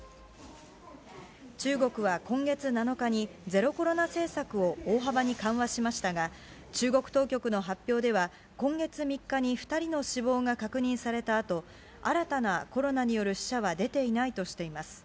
中国は今月７日に、ゼロコロナ政策を大幅に緩和しましたが、中国当局の発表では、今月３日に２人の死亡が確認されたあと、新たなコロナによる死者は出ていないとしています。